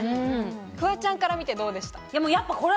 フワちゃんから見てどうですか？